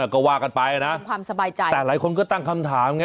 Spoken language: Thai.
ก็ว่ากันไปนะความสบายใจแต่หลายคนก็ตั้งคำถามไง